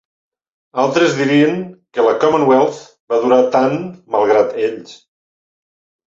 Altres dirien que la Commonwealth va durar tant "malgrat" ells.